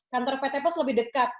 kantor pt pos lebih dekat